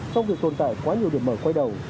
trong việc tồn tại quá nhiều điểm mở quay đầu